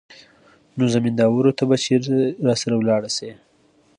نو زمينداورو ته به چېرې راسره ولاړه سي.